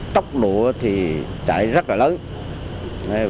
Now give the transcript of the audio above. tốc độ thì chạy rất là lớn